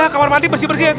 kamar mandi bersih bersih ya